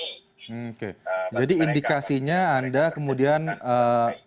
oke jadi indikasinya anda kemudian ee